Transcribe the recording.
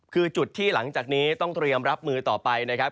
คือจุดที่หลังจากนี้ต้องเตรียมรับมือต่อไปนะครับ